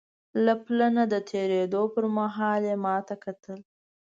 له پله نه د تېرېدو پر مهال یې ما ته کتل.